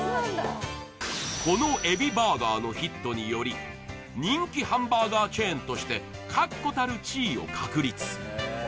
このエビバーガーのヒットにより人気ハンバーガーチェーンとして確固たる地位を確立